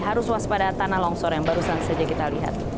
harus waspada tanah longsor yang barusan saja kita lihat